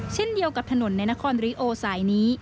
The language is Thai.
เช่นเดียวกับถนนในนครริโอสายนี้